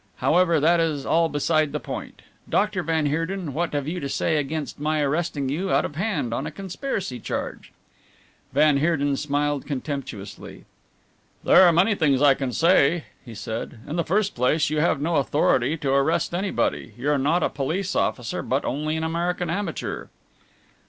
However, that is all beside the point; Dr. van Heerden, what have you to say against my arresting you out of hand on a conspiracy charge?" Van Heerden smiled contemptuously. "There are many things I can say," he said. "In the first place, you have no authority to arrest anybody. You're not a police officer but only an American amateur."